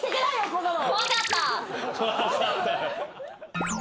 こんなの。